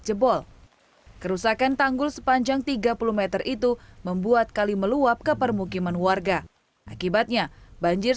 jebol kerusakan tanggul sepanjang tiga puluh m itu membuat kali meluap ke permukiman warga akibatnya banjir